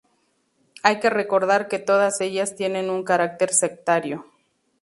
Hay que recordar que todas ellas tienen un carácter sectario.